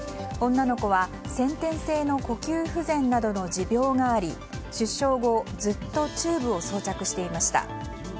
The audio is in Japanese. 女の子は先天性の呼吸不全などの持病があり出生後、ずっとチューブを装着していました。